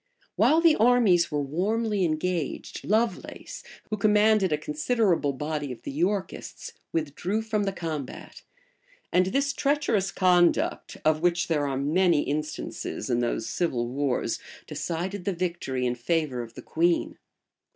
While the armies were warmly engaged, Lovelace, who commanded a considerable body of the Yorkists, withdrew from the combat; and this treacherous conduct, of which there are many instances in those civil wars, decided the victory in favor of the queen.